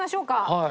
はい。